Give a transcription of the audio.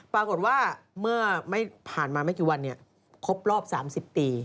ปรากฏว่าเมื่อไม่ผ่านมาไม่กี่วันครบรอบ๓๐ปี